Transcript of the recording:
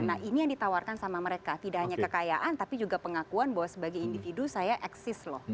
nah ini yang ditawarkan sama mereka tidak hanya kekayaan tapi juga pengakuan bahwa sebagai individu saya eksis loh